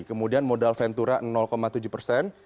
kemudian modal ventura tujuh persen